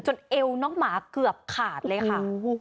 เอวน้องหมาเกือบขาดเลยค่ะ